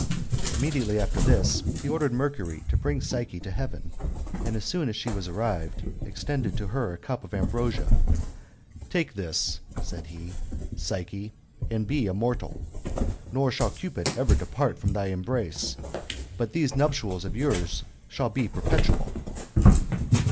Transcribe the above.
Immediately after this, he ordered Mercury to bring Psyche to heaven; and as soon as she was arrived, extending to her a cup of ambrosia, "Take this," said he, "Psyche, and be immortal; nor shall Cupid ever depart from thy embrace, but these nuptials of yours shall be perpetual."